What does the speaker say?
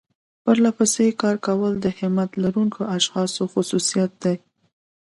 پرلپسې کار کول د همت لرونکو اشخاصو خصوصيت دی.